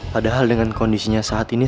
padahal dengan kondisinya saat ini